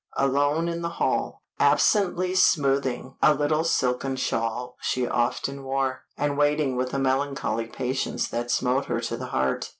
Alone in the hall, absently smoothing a little silken shawl she often wore, and waiting with a melancholy patience that smote her to the heart.